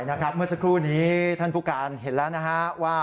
ใช่นะคะมีสักครู่นี้ท่านผู้การเห็นแล้วว่า